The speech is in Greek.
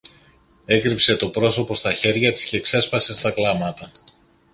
έκρυψε το πρόσωπο στα χέρια της και ξέσπασε στα κλάματα